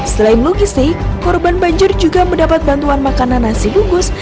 selain logistik korban banjir juga mendapat bantuan makanan nasi bungkus